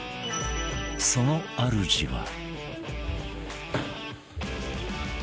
その主は